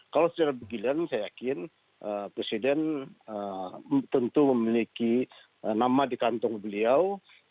kalau secara bergiliran saya yakin presiden tentu memiliki nama di kantong beliau